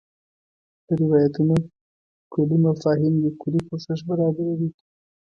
د روایتونو کُلي مفاهیم یو کُلي پوښښ برابروي.